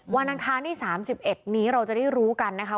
วันอังคารที่สามสิบเอ็ดนี้เราจะได้รู้กันนะคะ